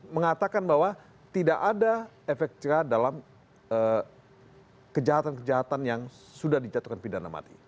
mengatakan bahwa tidak ada efek jerah dalam kejahatan kejahatan yang sudah dijatuhkan pidana mati